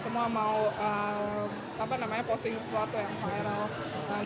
semua mau posting sesuatu yang viral